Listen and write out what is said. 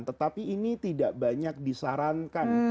tetapi ini tidak banyak disarankan